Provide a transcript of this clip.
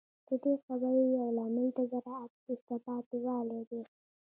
د دې خبرې یو لامل د زراعت وروسته پاتې والی دی